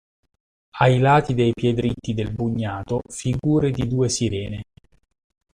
Ai lati dei piedritti del bugnato, figure di due Sirene.